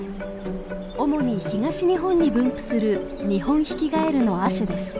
主に東日本に分布するニホンヒキガエルの亜種です。